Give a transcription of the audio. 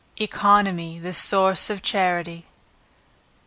Economy the Source of Charity.